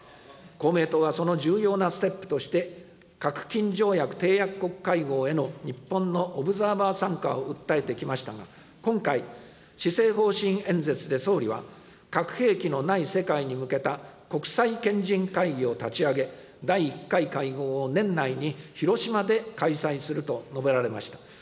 公明党はその重要なステップとして、核禁条約締約国会合への日本のオブザーバー参加を訴えてきましたが、今回、施政方針演説で総理は、核兵器のない世界に向けた国際賢人会議を立ち上げ、第１回会合を年内に広島で開催すると述べられました。